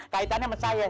kaitannya sama saya